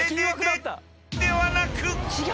［ではなく］